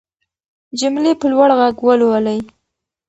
جملې په لوړ غږ ولولئ.